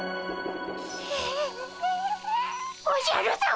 おじゃるさま。